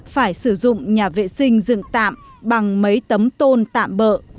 phải sử dụng nhà vệ sinh dựng tạm bằng mấy tấm tôn tạm bỡ